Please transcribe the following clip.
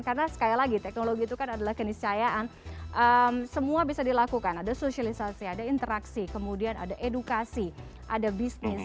karena sekali lagi teknologi itu kan adalah keniscayaan semua bisa dilakukan ada sosialisasi ada interaksi kemudian ada edukasi ada bisnis